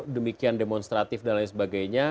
demikian demonstratif dan lain sebagainya